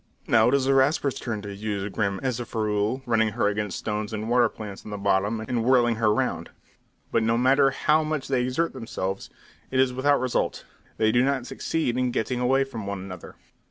Now it is the Rasper's turn to use Grim as a ferule, running her against stones and water plants on the bottom, and whirling her round. But no matter how much they exert themselves, it is without result; they do not succeed in getting away from one another.